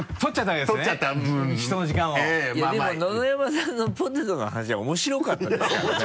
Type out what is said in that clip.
いやでも野々山さんのポテトの話は面白かったですからね。